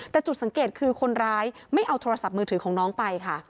แต่จุดสังเกตคือคนร้ายไม่เอาโทรศัพท์มือถือของน้องไปค่ะ